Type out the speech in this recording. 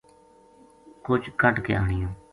کجھ کڈھ کے آنیو